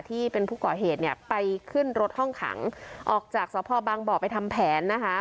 ที่เป็นผู้ก่อเหตุเนี่ยไปขึ้นรถห้องขังออกจากสพบางบ่อไปทำแผนนะคะ